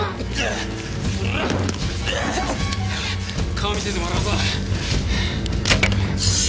顔見せてもらうぞ。